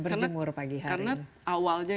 berjemur pagi hari karena awalnya